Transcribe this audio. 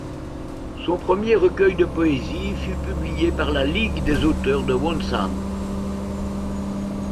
Son premier recueil de poésie fut publié par la ligue des auteurs de Wonsan.